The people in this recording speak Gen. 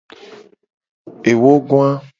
Ewogoa.